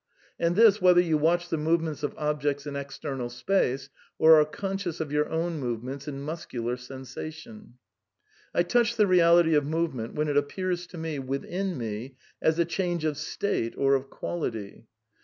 And this whether you watch the movements of objects in external space or are conscious of your own movements in muscular sensation. "... I touch the reality of movement when it appears to me, within me, as a change of state or of quality."